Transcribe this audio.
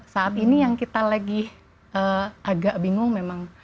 saat ini yang kita lagi agak bingung memang